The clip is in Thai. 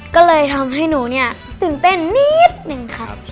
ก็เลยทำให้หนูเนี่ยตื่นเต้นนิดนึงครับ